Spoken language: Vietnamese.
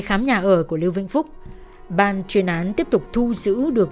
khi vĩnh phúc vừa từ kim sơn ninh bình sang